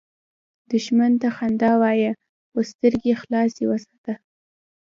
دښمن ته خندا وایه، خو سترګې خلاصه وساته